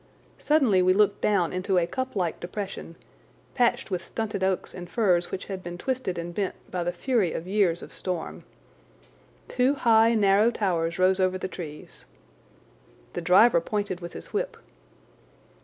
Suddenly we looked down into a cuplike depression, patched with stunted oaks and firs which had been twisted and bent by the fury of years of storm. Two high, narrow towers rose over the trees. The driver pointed with his whip.